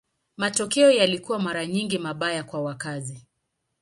Matokeo yalikuwa mara nyingi mabaya kwa wakazi.